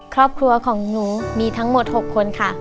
ครอบครัวของหนูมีทั้งหมด๖คนค่ะ